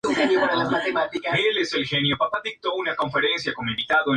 Las antiguas murallas fueron derribadas y sustituidas por bulevares.